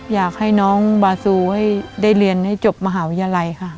อยากให้น้องบาซูได้เรียนมถึงหาวิทยาลัย